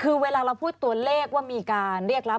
คือเวลาเราพูดตัวเลขว่ามีการเรียกรับ